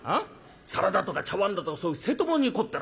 皿だとか茶わんだとかそういう瀬戸物に凝ってらっしゃる」。